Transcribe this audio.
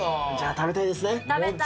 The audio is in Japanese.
食べたいです。